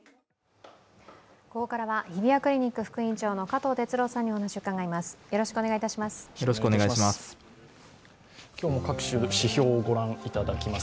ここからは日比谷クリニック副院長の加藤哲朗さんにお話を伺います。